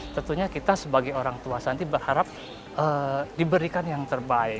tentunya kita sebagai orang tua sandi berharap diberikan yang terbaik